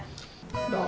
どう？